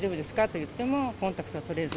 と言っても、コンタクト取れず。